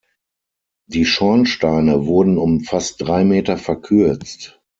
Die Schornsteine wurden um fast drei Meter verkürzt.